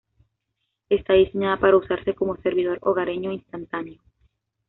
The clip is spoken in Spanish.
Está diseñada para usarse como "servidor hogareño instantáneo".